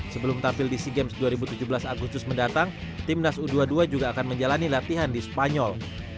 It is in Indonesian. sebelum tampil di sea games dua ribu tujuh belas agustus mendatang timnas u dua puluh dua juga akan menjalani latihan di spanyol